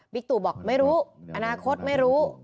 บิ๊กตุบอกไม่รู้อนาคตไม่รู้